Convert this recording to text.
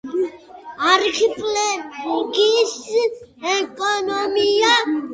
არქიპელაგის ეკონომიკა დაფუძნებულია ტურიზმზე, თევზჭერასა და ხე-ტყის დამუშავებაზე.